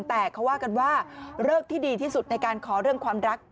แต่เขาว่ากันว่าเลิกที่ดีที่สุดในการขอเรื่องความรัก